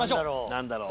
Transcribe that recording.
何だろう？